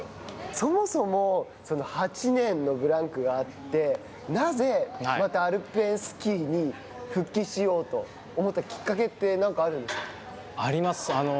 そもそも、８年のブランクがあって、なぜ、またアルペンスキーに復帰しようと思ったきっかけってあります。